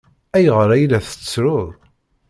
Ayɣer ay la tettruḍ?